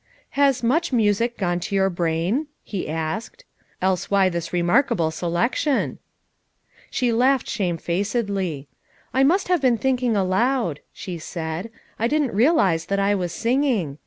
"Has 'much music' gone to your brain?" he asked. "Else why this remarkable selec tion !" 278 FOUR MOTHERS AT CHAUTAUQUA She laughed shamefacedly. "I must have been thinking aloud/ 3 she said. "I didn't realize that I was singing.